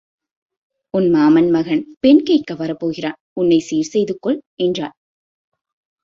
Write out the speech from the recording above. உன் மாமன் மகன் பெண் கேட்க வரப் போகிறான் உன்னைச் சீர் செய்து கொள் என்றாள்.